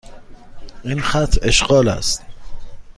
این خط اشغال است.